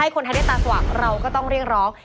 คนไทยได้ตาสว่างเราก็ต้องเรียกร้อง